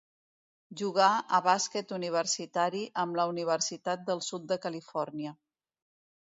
Jugà a bàsquet universitari amb la Universitat del Sud de Califòrnia.